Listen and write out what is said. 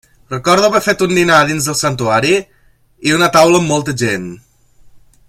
Recordo haver fet un dinar a dins el santuari, i una taula amb molta gent.